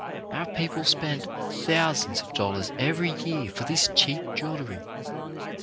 Our people spend thousands of dollars every year for this cheap jewellery.